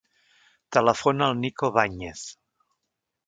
Telefona al Niko Bañez.